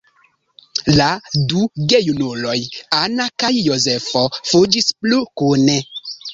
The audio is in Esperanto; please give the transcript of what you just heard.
La du gejunuloj, Anna kaj Jozefo, fuĝis plu kune.